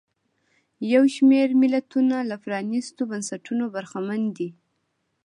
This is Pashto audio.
یو شمېر ملتونه له پرانیستو بنسټونو برخمن دي.